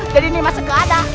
jadi ini mas sekeada